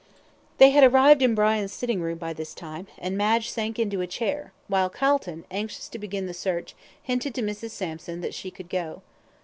They had arrived in Brian's sitting room by this time, and Madge sank into a chair, while Calton, anxious to begin the search, hinted to Mrs. Sampson that she could go.